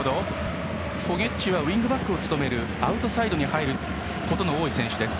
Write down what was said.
フォゲッチはウイングバックを務めるアウトサイドに入ることの多い選手です。